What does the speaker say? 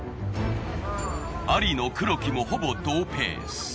ありの黒木もほぼ同ペース。